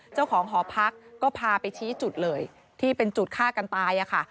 เจ้าของหอพักก็พาไปชี้จุดเลยที่เป็นจุดฆ่ากันตายค่ะ